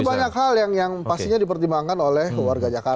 masih banyak hal yang pastinya dipertimbangkan oleh keluarga jakarta